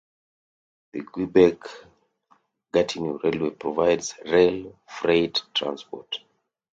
The Quebec Gatineau Railway provides rail freight transport.